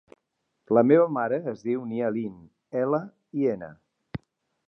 La meva mare es diu Nia Lin: ela, i, ena.